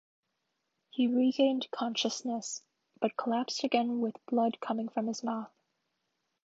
He regained consciousness, but collapsed again with blood coming from his mouth.